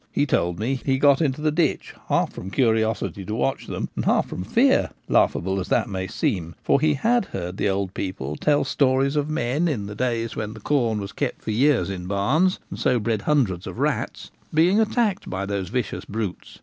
He told me he got into the ditch, half from curiosity to watch them, and half from fear — laughable as that may seem — for he had heard the old people tell stories of men in the days when the corn was kept for years in barns, and so bred hundreds of rats, being attacked by those vicious brutes.